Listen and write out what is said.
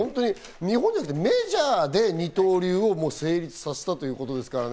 日本じゃなくてメジャーで二刀流を成立させたってことですからね。